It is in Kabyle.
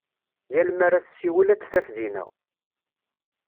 Yal mi ara tessiwel a t-taf dinna.